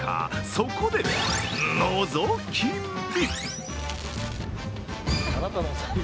そこで、のぞき見。